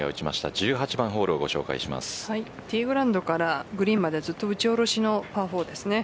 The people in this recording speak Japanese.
１８番ホールをティーグラウンドからグリーンまで打ち下ろしのパー４ですね。